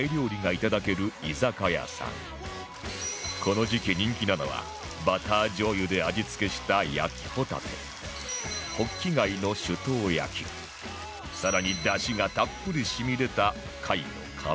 この時期人気なのはバター醤油で味付けした焼きホタテほっき貝の酒盗焼更にだしがたっぷり染み出た貝の釜飯